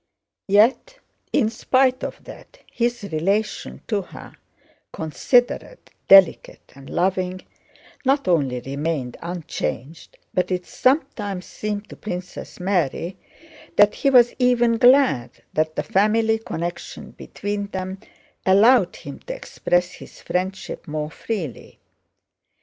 Yet in spite of that, his relation to her—considerate, delicate, and loving—not only remained unchanged, but it sometimes seemed to Princess Mary that he was even glad that the family connection between them allowed him to express his friendship more freely.